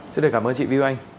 xin cảm ơn chị viu anh